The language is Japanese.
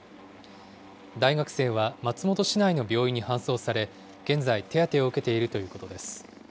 大学生は松本市内の病院に搬送され、現在、手当てを受けているということです。